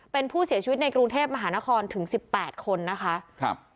เป็นผู้เสียชีวิตในกรุงเทพมหานครถึงสิบแปดคนนะคะครับ